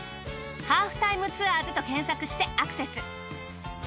『ハーフタイムツアーズ』と検索してアクセス。